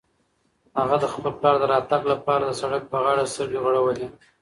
هغه د خپل پلار د راتګ لپاره د سړک په غاړه سترګې غړولې.